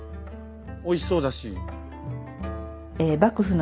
おいしそうだし。